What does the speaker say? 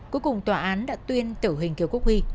cuối cùng tòa án đã tuyên tử hình kiều quốc huy